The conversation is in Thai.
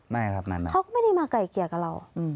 ไม่ครับนั่นนะครับเขาก็ไม่ได้มาไก่เกลียดกับเรา